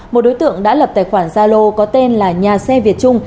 một đối tượng đã lập tài khoản gia lô có tên là nhà xe việt trung